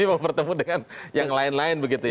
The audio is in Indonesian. mau bertemu dengan yang lain lain begitu ya